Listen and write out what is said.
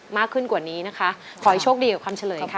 มากขึ้นกว่านี้นะคะขอให้โชคดีกับคำเฉลยค่ะ